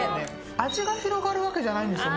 味が広がるわけじゃないんですよ